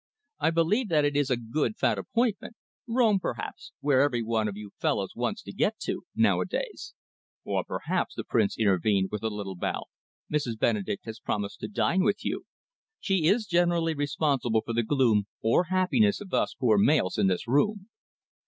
"I believe that it is a good fat appointment. Rome, perhaps, where every one of you fellows wants to get to, nowadays." "Or perhaps," the Prince intervened, with a little bow, "Mrs. Benedek has promised to dine with you? She is generally responsible for the gloom or happiness of us poor males in this room."